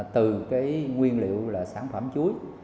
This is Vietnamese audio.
từ nguyên liệu sản phẩm chuối